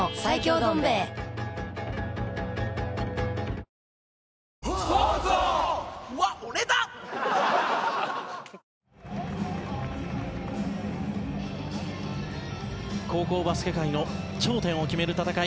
どん兵衛高校バスケ界の頂点を決める戦い